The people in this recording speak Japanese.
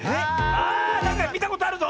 ああなんかみたことあるぞ！